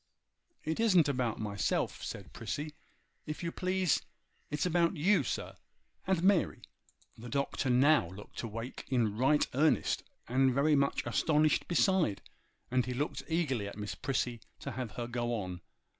'It isn't about myself,' said Prissy. 'If you please, it's about you, sir, and Mary.' The Doctor now looked awake in right earnest, and very much astonished besides; and he looked eagerly at Miss Prissy to have her go on.